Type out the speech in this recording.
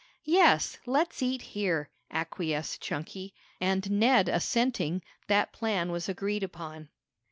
"Yes, let's eat here," acquiesced Chunky, and Ned assenting, that plan was agreed upon.